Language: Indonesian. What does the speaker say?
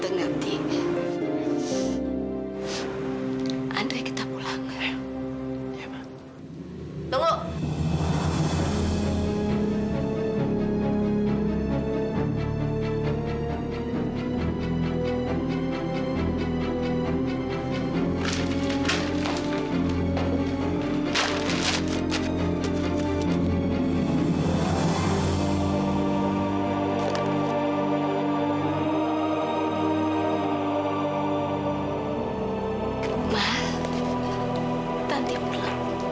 nanti aku bisa